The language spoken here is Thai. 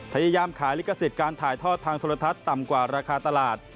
พยายามขายลิขสิทธิ์การถ่ายทอดทางโทรทัศน์ต่ำกว่าราคาตลาด